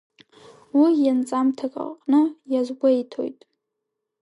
Уи ианҵамҭак аҟны иазгәеиҭоит…